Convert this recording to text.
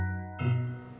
kamu yang tengah